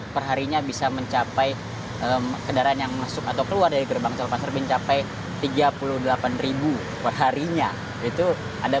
perharinya bisa mencapai kendaraan yang masuk atau keluar dari gerbang tol pasar mencapai tiga puluh delapan perharinya itu ada